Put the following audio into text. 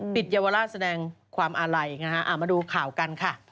เยาวราชแสดงความอาลัยนะฮะมาดูข่าวกันค่ะ